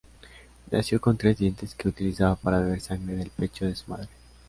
Nació con tres dientes que utilizaba para beber sangre del pecho de su madre.